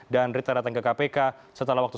dan rita datang ke kpk setelah waktu